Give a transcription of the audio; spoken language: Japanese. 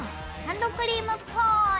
ハンドクリームっぽい。